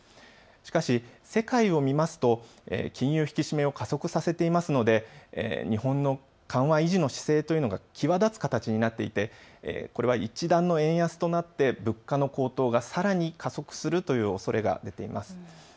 しかし世界を見ると金融引き締めを加速させているので日本の緩和維持の姿勢というのが際立つ形になっていてこれは一段の円安となって物価の高騰がさらに加速するというおそれも出ています。